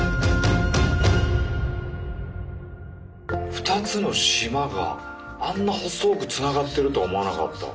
２つの島があんな細くつながってるとは思わなかった。